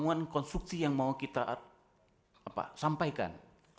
itu adalah bangun konstruksi yang mau kita sampaikan